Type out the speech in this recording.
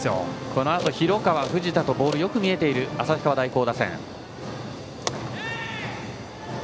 このあと廣川、藤田とボールがよく見えている旭川大高打線。